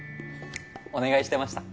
お願いしてました